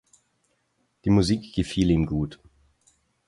Die Musik gefiel ihm gut.